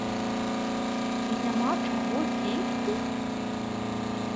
Ці няма чаго з'есці?